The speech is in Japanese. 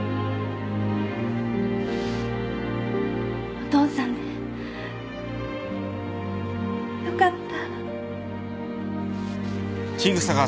お父さんでよかった。